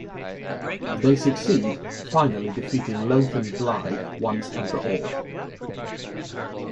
They succeed, finally defeating Loath and Glyde once and for all.